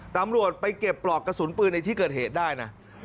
ตำรวจไปเก็บปลอกกระสุนปืนในที่เกิดเหตุได้นะ